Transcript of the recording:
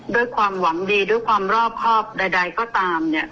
ด้วยความหวังดีด้วยความรอบครอบใดก็ตามเนี่ย